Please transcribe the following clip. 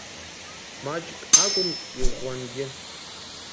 Маҷк акәым, иӷәӷәангьы.